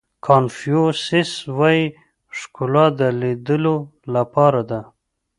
کانفیو سیس وایي ښکلا د لیدلو لپاره ده.